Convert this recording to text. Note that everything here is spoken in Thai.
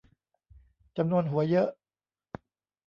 จำนวนหัวเยอะ